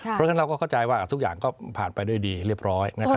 เพราะฉะนั้นเราก็เข้าใจว่าทุกอย่างก็ผ่านไปด้วยดีเรียบร้อย